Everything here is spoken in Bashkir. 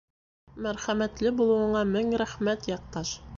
— Мәрхәмәтле булыуыңа мең рәхмәт, яҡташ.